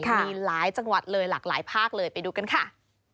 มีหลายจังหวัดเลยหลากหลายภาคเลยไปดูกันค่ะ